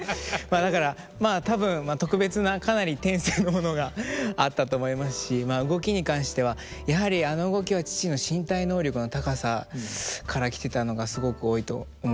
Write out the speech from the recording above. まあだからまあ多分特別なかなり天性のものがあったと思いますし動きに関してはやはりあの動きは父の身体能力の高さからきてたのがすごく多いと思います。